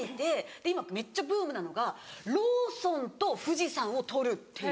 で今めっちゃブームなのがローソンと富士山を撮るっていう。